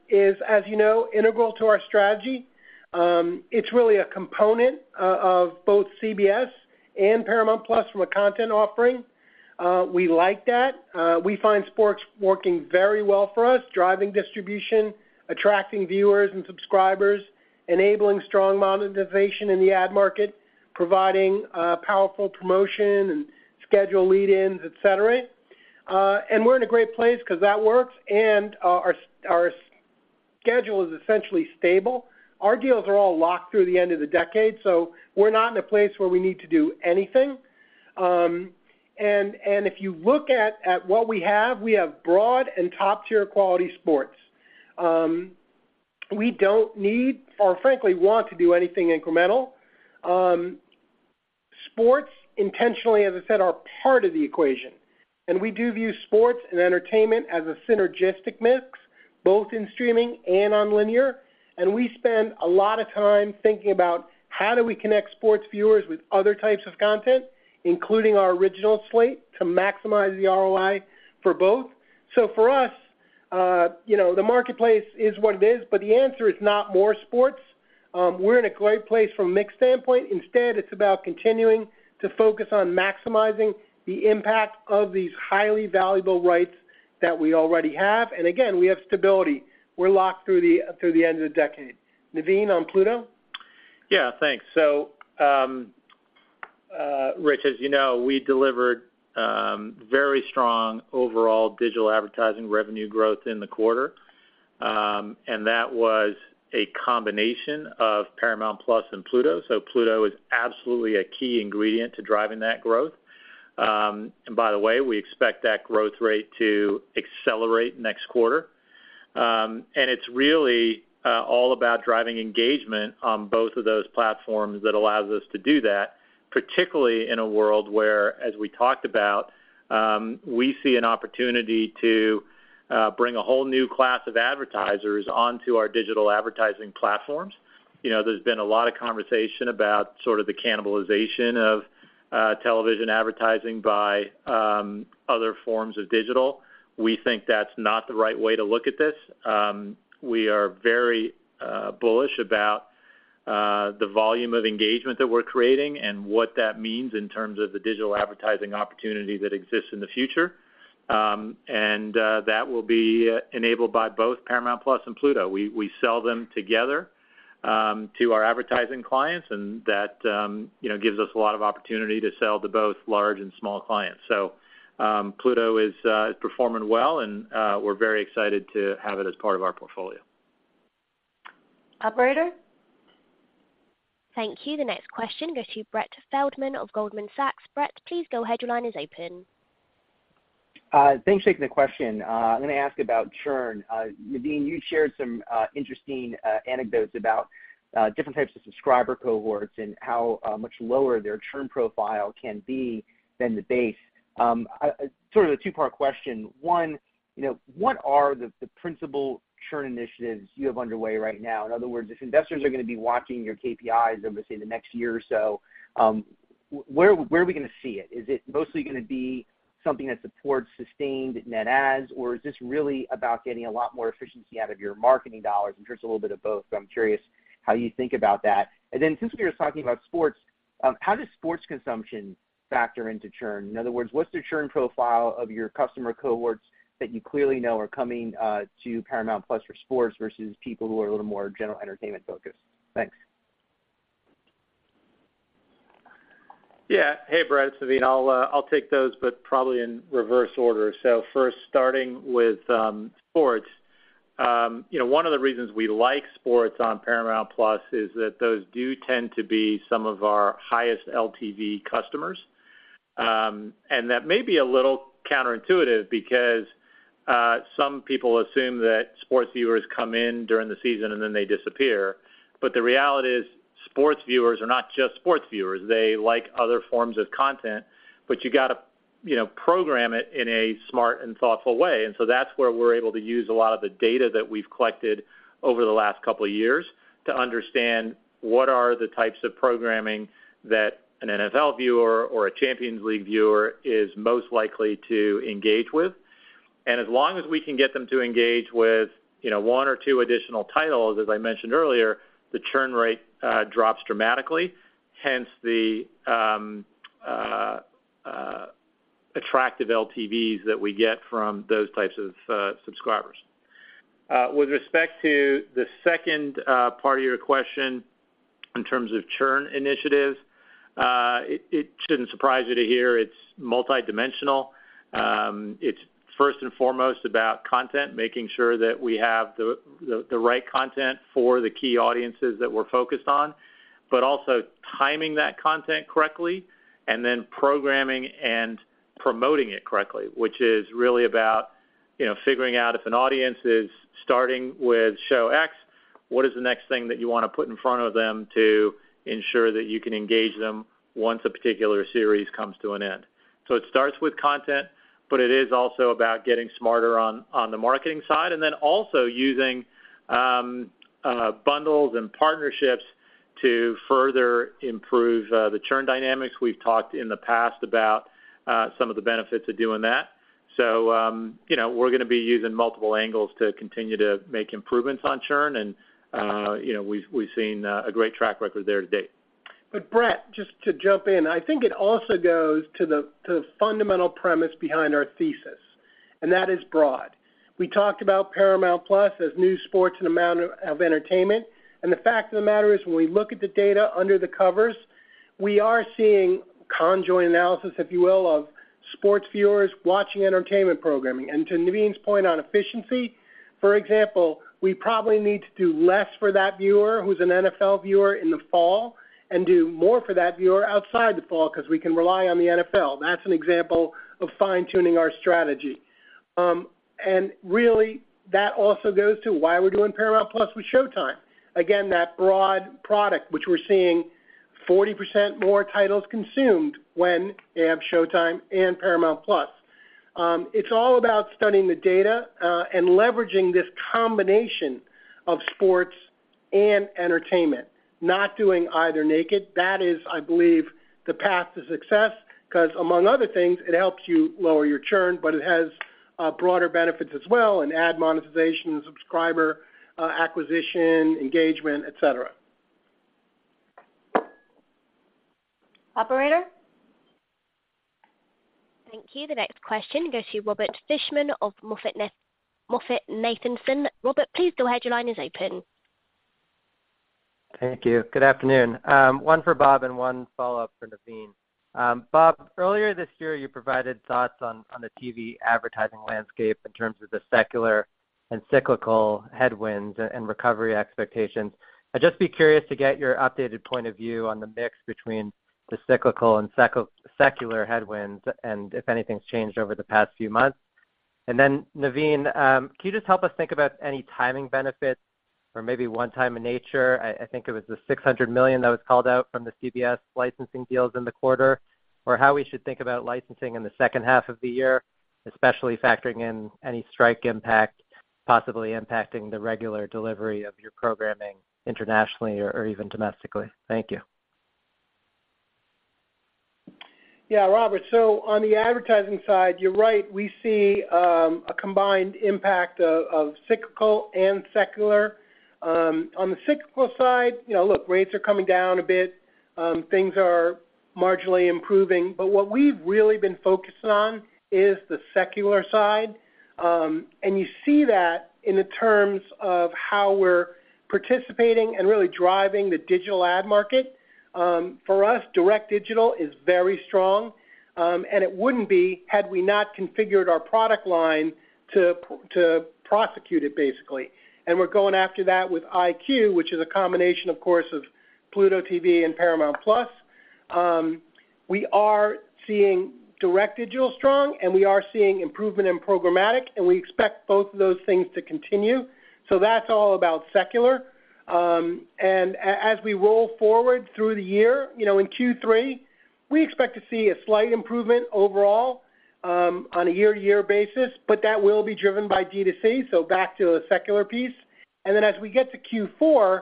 is, as you know, integral to our strategy. It's really a component of both CBS and Paramount Plus from a content offering. We like that. We find sports working very well for us, driving distribution, attracting viewers and subscribers, enabling strong monetization in the ad market, providing powerful promotion and schedule lead ins, et cetera. We're in a great place because that works, and our schedule is essentially stable. Our deals are all locked through the end of the decade, we're not in a place where we need to do anything. If you look at, at what we have, we have broad and top-tier quality sports. We don't need or frankly, want to do anything incremental. Sports intentionally, as I said, are part of the equation, and we do view sports and entertainment as a synergistic mix, both in streaming and on linear. We spend a lot of time thinking about how do we connect sports viewers with other types of content, including our original slate, to maximize the ROI for both. For us, you know, the marketplace is what it is, but the answer is not more sports. We're in a great place from a mix standpoint. Instead, it's about continuing to focus on maximizing the impact of these highly valuable rights that we already have. Again, we have stability. We're locked through the, through the end of the decade. Naveen, on Pluto? Yeah, thanks. Rich, as you know, we delivered very strong overall digital advertising revenue growth in the quarter. That was a combination of Paramount Plus and Pluto. Pluto is absolutely a key ingredient to driving that growth. By the way, we expect that growth rate to accelerate next quarter. It's really all about driving engagement on both of those platforms that allows us to do that, particularly in a world where, as we talked about, we see an opportunity to bring a whole new class of advertisers onto our digital advertising platforms. You know, there's been a lot of conversation about sort of the cannibalization of television advertising by other forms of digital. We think that's not the right way to look at this. We are very bullish about the volume of engagement that we're creating and what that means in terms of the digital advertising opportunity that exists in the future. That will be enabled by both Paramount+ and Pluto. We, we sell them together to our advertising clients, and that, you know, gives us a lot of opportunity to sell to both large and small clients. Pluto is performing well, and we're very excited to have it as part of our portfolio. Operator? Thank you. The next question goes to Brett Feldman of Goldman Sachs. Brett, please go ahead. Your line is open. Thanks for taking the question. I'm gonna ask about churn. Naveen, you shared some interesting anecdotes about different types of subscriber cohorts and how much lower their churn profile can be than the base. Sort of a two-part question. One, you know, what are the principal churn initiatives you have underway right now? In other words, if investors are gonna be watching your KPIs over, say, the next year or so, where, where are we gonna see it? Is it mostly gonna be something that supports sustained net adds, or is this really about getting a lot more efficiency out of your marketing dollars? I'm sure it's a little bit of both, but I'm curious how you think about that. Then since we were talking about sports, how does sports consumption factor into churn? In other words, what's the churn profile of your customer cohorts that you clearly know are coming to Paramount+ for sports versus people who are a little more general entertainment focused? Thanks. Yeah. Hey, Brett, it's Naveen. I'll, I'll take those, probably in reverse order. First, starting with sports. You know, one of the reasons we like sports on Paramount+ is that those do tend to be some of our highest LTV customers. That may be a little counterintuitive because some people assume that sports viewers come in during the season, and then they disappear. The reality is, sports viewers are not just sports viewers. They like other forms of content, you gotta, you know, program it in a smart and thoughtful way. That's where we're able to use a lot of the data that we've collected over the last couple of years to understand what are the types of programming that an NFL viewer or a Champions League viewer is most likely to engage with. As long as we can get them to engage with, you know, one or two additional titles, as I mentioned earlier, the churn rate drops dramatically. Hence, the attractive LTVs that we get from those types of subscribers. With respect to the second part of your question, in terms of churn initiatives, it shouldn't surprise you to hear it's multidimensional. It's first and foremost about content, making sure that we have the, the, the right content for the key audiences that we're focused on, but also timing that content correctly and then programming and promoting it correctly, which is really about, you know, figuring out if an audience is starting with Show X, what is the next thing that you wanna put in front of them to ensure that you can engage them once a particular series comes to an end? It starts with content, but it is also about getting smarter on, on the marketing side, and then also using bundles and partnerships to further improve the churn dynamics. We've talked in the past about some of the benefits of doing that. You know, we're gonna be using multiple angles to continue to make improvements on churn, and, you know, we've, we've seen a great track record there to date. Brett, just to jump in, I think it also goes to the, to the fundamental premise behind our thesis, and that is broad. We talked about Paramount+ as new sports and amount of, of entertainment. The fact of the matter is, when we look at the data under the covers, we are seeing conjoint analysis, if you will, of sports viewers watching entertainment programming. To Naveen's point on efficiency, for example, we probably need to do less for that viewer who's an NFL viewer in the fall and do more for that viewer outside the fall because we can rely on the NFL. That's an example of fine-tuning our strategy. Really, that also goes to why we're doing Paramount+ with SHOWTIME. Again, that broad product, which we're seeing 40% more titles consumed when they have SHOWTIME and Paramount+. It's all about studying the data, and leveraging this combination of sports and entertainment, not doing either naked. That is, I believe, the path to success, 'cause among other things, it helps you lower your churn, but it has broader benefits as well, and ad monetization, subscriber acquisition, engagement, et cetera. Operator? Thank you. The next question goes to Robert Fishman of MoffettNathanson. Robert, please go ahead. Your line is open. Thank you. Good afternoon. One for Bob and one follow-up for Naveen. Bob, earlier this year, you provided thoughts on the TV advertising landscape in terms of the secular and cyclical headwinds and recovery expectations. I'd just be curious to get your updated point of view on the mix between the cyclical and secular headwinds, and if anything's changed over the past few months. And then, Naveen, can you just help us think about any timing benefits or maybe one-time in nature? I think it was the $600 million that was called out from the CBS licensing deals in the quarter, or how we should think about licensing in the second half of the year, especially factoring in any strike impact, possibly impacting the regular delivery of your programming internationally or even domestically? Thank you. Yeah, Robert. On the advertising side, you're right. We see a combined impact of, of cyclical and secular. On the cyclical side, you know, look, rates are coming down a bit, things are marginally improving, but what we've really been focusing on is the secular side. You see that in the terms of how we're participating and really driving the digital ad market. For us, direct digital is very strong, and it wouldn't be, had we not configured our product line to prosecute it, basically. We're going after that with EyeQ, which is a combination, of course, of Pluto TV and Paramount+. We are seeing direct digital strong, and we are seeing improvement in programmatic, and we expect both of those things to continue. That's all about secular. As we roll forward through the year, you know, in Q3, we expect to see a slight improvement overall on a year-to-year basis, but that will be driven by D2C, so back to the secular piece. As we get to Q4,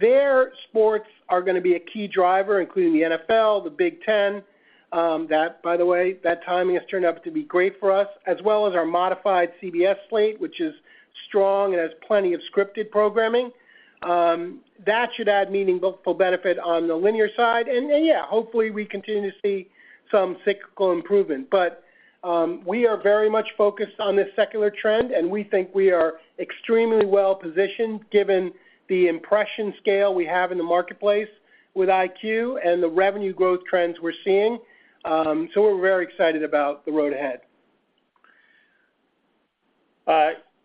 there, sports are gonna be a key driver, including the NFL, the Big Ten. That, by the way, that timing has turned out to be great for us, as well as our modified CBS slate, which is strong and has plenty of scripted programming. That should add meaningful benefit on the linear side. Yeah, hopefully, we continue to see some cyclical improvement. We are very much focused on this secular trend, and we think we are extremely well positioned given the impression scale we have in the marketplace with EyeQ and the revenue growth trends we're seeing. We're very excited about the road ahead.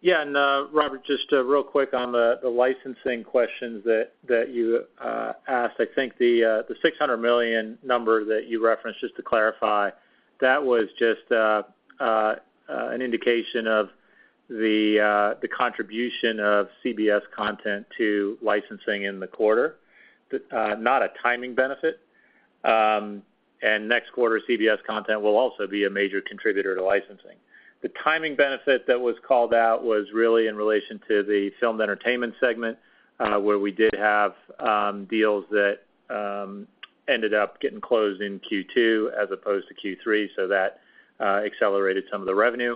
Yeah, Robert, just real quick on the licensing questions that you asked. I think the $600 million number that you referenced, just to clarify, that was just an indication of the contribution of CBS content to licensing in the quarter, not a timing benefit. Next quarter, CBS content will also be a major contributor to licensing. The timing benefit that was called out was really in relation to the filmed entertainment segment, where we did have deals that ended up getting closed in Q2 as opposed to Q3, so that accelerated some of the revenue.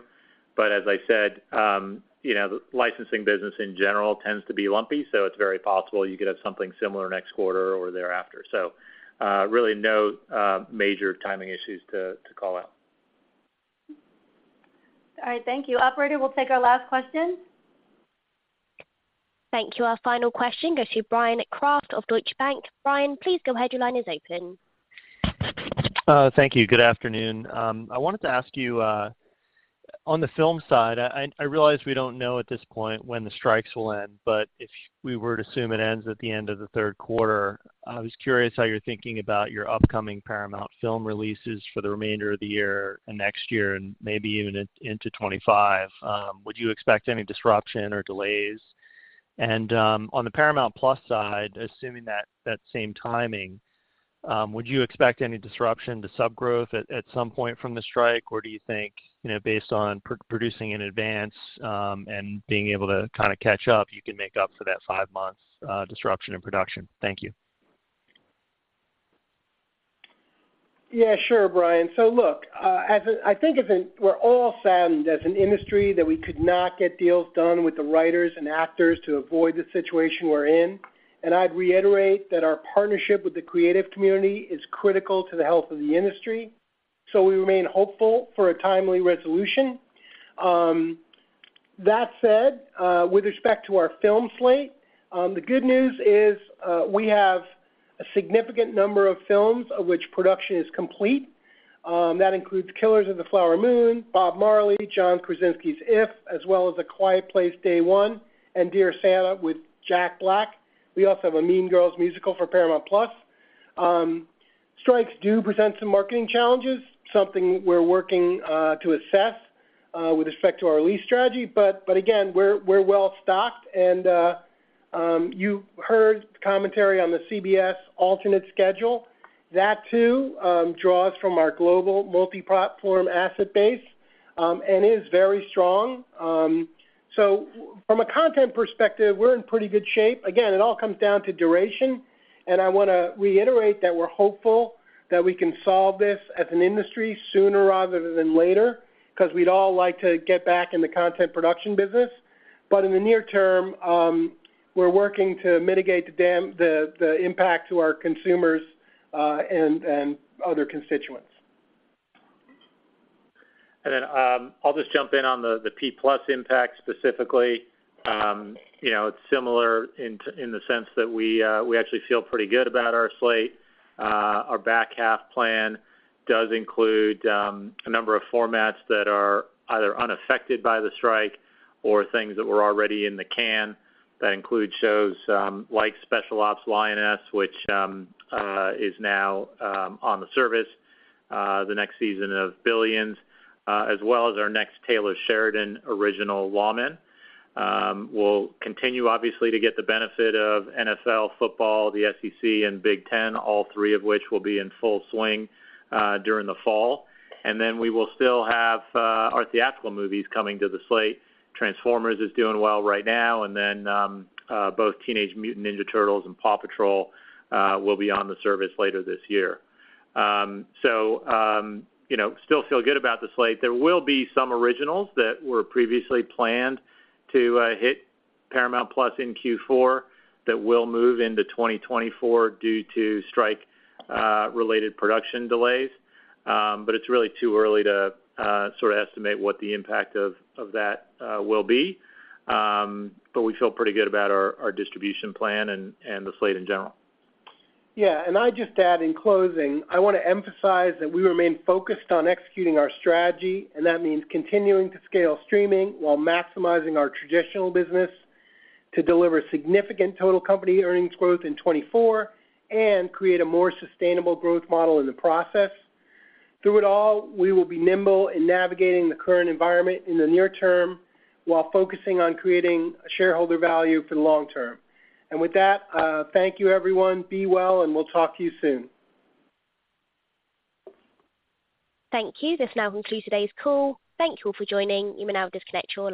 As I said, you know, the licensing business in general tends to be lumpy, so it's very possible you could have something similar next quarter or thereafter. Really no major timing issues to call out. All right, thank you. Operator, we'll take our last question. Thank you. Our final question goes to Bryan Kraft of Deutsche Bank. Bryan, please go ahead. Your line is open. Thank you. Good afternoon. I wanted to ask you on the film side, I, I realize we don't know at this point when the strikes will end, but if we were to assume it ends at the end of the third quarter, I was curious how you're thinking about your upcoming Paramount Film releases for the remainder of the year and next year, and maybe even into 25. Would you expect any disruption or delays? On the Paramount+ side, assuming that same timing, would you expect any disruption to sub growth at some point from the strike? Or do you think, you know, based on producing in advance, and being able to kinda catch up, you can make up for that 5 months disruption in production? Thank you. Yeah, sure, Bryan. We're all saddened as an industry, that we could not get deals done with the writers and actors to avoid the situation we're in. I'd reiterate that our partnership with the creative community is critical to the health of the industry, so we remain hopeful for a timely resolution. That said, with respect to our film slate, the good news is, we have a significant number of films of which production is complete. That includes Killers of the Flower Moon, Bob Marley, John Krasinski's IF, as well as A Quiet Place: Day One, and Dear Santa with Jack Black. We also have a Mean Girls musical for Paramount+. Strikes do present some marketing challenges, something we're working to assess with respect to our release strategy. Again, we're well-stocked, and you heard commentary on the CBS alternate schedule. That, too, draws from our global multi-platform asset base, and is very strong. From a content perspective, we're in pretty good shape. Again, it all comes down to duration, and I wanna reiterate that we're hopeful that we can solve this as an industry sooner rather than later, because we'd all like to get back in the content production business. In the near term, we're working to mitigate the impact to our consumers, and other constituents. Then, I'll just jump in on the P plus impact specifically. You know, it's similar in the sense that we actually feel pretty good about our slate. Our back half plan does include a number of formats that are either unaffected by the strike or things that were already in the can. That includes shows like Special Ops: Lioness, which is now on the service, the next season of Billions, as well as our next Taylor Sheridan Original Lawmen. We'll continue, obviously, to get the benefit of NFL football, the SEC and Big Ten, all three of which will be in full swing during the fall. Then we will still have our theatrical movies coming to the slate. Transformers is doing well right now, both Teenage Mutant Ninja Turtles and PAW Patrol, will be on the service later this year. You know, still feel good about the slate. There will be some originals that were previously planned to hit Paramount+ in Q4, that will move into 2024 due to strike related production delays. It's really too early to sort of estimate what the impact of, of that, will be. We feel pretty good about our, our distribution plan and, and the slate in general. Yeah, and I'd just add, in closing, I wanna emphasize that we remain focused on executing our strategy, and that means continuing to scale streaming while maximizing our traditional business to deliver significant total company earnings growth in 2024, and create a more sustainable growth model in the process. Through it all, we will be nimble in navigating the current environment in the near term, while focusing on creating shareholder value for the long term. With that, thank you everyone. Be well, and we'll talk to you soon. Thank you. This now concludes today's call. Thank you all for joining. You may now disconnect your lines.